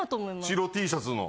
白Ｔシャツの？